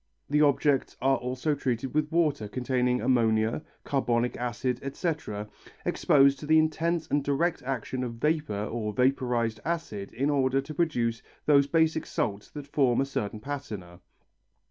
The objects are also treated with water containing ammonia, carbonic acid, etc., exposed to the intense and direct action of vapour or vaporized acid in order to produce those basic salts that form a certain patina.